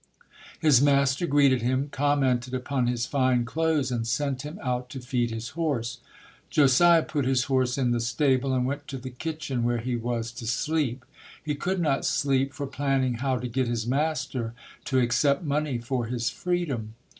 His mas ter greeted him, commented upon his fine clothes and sent him out to feed his horse. Josiah put his horse in the stable and went to the kitchen, where he was to sleep. He could not sleep for planning how to get his master to accept money for his free dom.